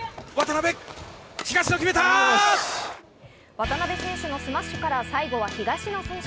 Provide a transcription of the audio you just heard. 渡辺選手のスマッシュから最後は東野選手。